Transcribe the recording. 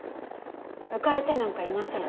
浮かれてなんかいません。